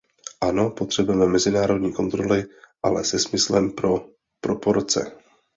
Ano, potřebujeme mezinárodní kontroly, ale se smyslem pro proporce.